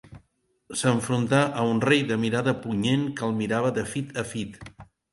S'enfrontà a un rei de mirada punyent que el mirava de fit a fit.